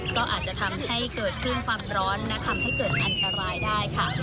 ก็อาจจะทำให้เกิดคลื่นความร้อนและทำให้เกิดอันตรายได้ค่ะ